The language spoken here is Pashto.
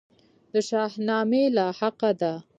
د شاهنامې لاحقه ده.